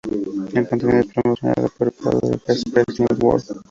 El contenido es proporcionado por Panther Express network.